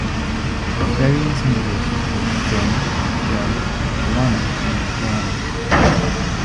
Variants in English include Joan, Joann, Joanne, and Johanna.